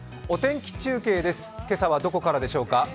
お天気中継です、今朝はどこからでしょうか。